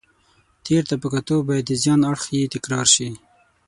تېر ته په کتو باید د زیان اړخ یې تکرار شي.